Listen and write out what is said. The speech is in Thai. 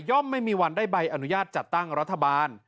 ไม่มีวันได้ใบอนุญาตจัดตั้งรัฐบาล